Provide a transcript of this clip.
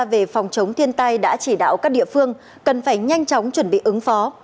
về phòng chống thiên tai đã chỉ đạo các địa phương cần phải nhanh chóng chuẩn bị ứng phó